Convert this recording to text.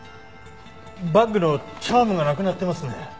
バッグのチャームがなくなってますね。